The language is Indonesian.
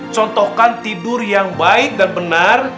contohkan tidur yang baik dan benar